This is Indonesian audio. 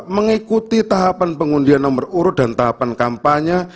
mengikuti tahapan pengundian nomor urut dan tahapan kampanye